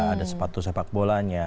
ada sepatu sepak bolanya